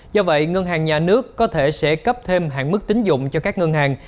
do vậy ngân hàng nhà nước có thể sẽ cấp thêm hạn mức tính dụng cho các ngân hàng